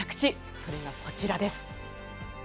それがこちらです。